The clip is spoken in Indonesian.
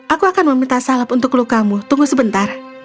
aku akan meminta salep untuk lukamu tunggu sebentar